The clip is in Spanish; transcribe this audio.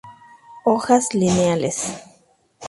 Hojas lineares.